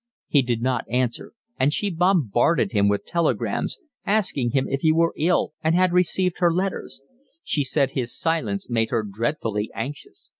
He did not answer; and she bombarded him with telegrams, asking him if he were ill and had received her letters; she said his silence made her dreadfully anxious.